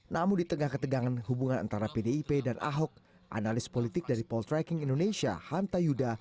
namun di tengah ketegangan hubungan antara pdip dan ahok analis politik dari poltreking indonesia hanta yuda